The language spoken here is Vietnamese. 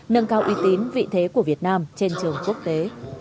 nâng cao uy tín vị thế của việt nam trên trường quốc tế